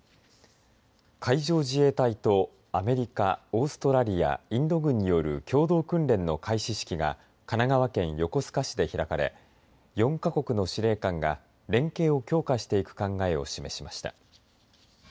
海上自衛隊とアメリカ、オーストラリアインド軍による共同訓練の開始式が神奈川県横須賀市で開かれ４か国の司令官が連携を強化していく考えを示しました。